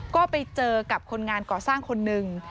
ก็ไปเจอกับคนงานก่อสร้างคนหนึ่ง